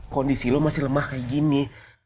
kondisi lu masih lemah kayak gini